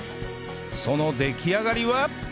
その出来上がりは？